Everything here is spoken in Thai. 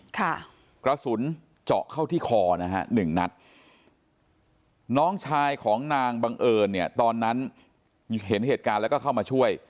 กระสุนเจาะเข้าที่คอนะฮะหนึ่งนัดน้องชายของนางบังเอิญเนี่ยตอนนั้นเห็นเหตุการณ์แล้วก็เข้ามาช่วย